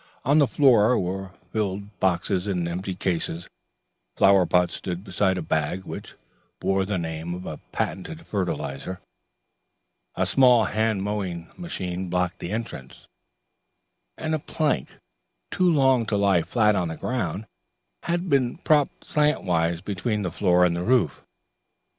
On the floor were piled boxes and empty cases; flowerpots stood beside a bag which bore the name of a patent fertilizer; a small hand mowing machine blocked the entrance; and a plank, too long to lie flat on the ground, had been propped slantwise between the floor and the roof.